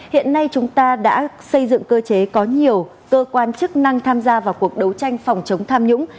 hiện nay chúng ta đã xây dựng cơ chế có nhiều cơ quan chức năng tham gia vào cuộc đấu tranh phòng chống tham nhũng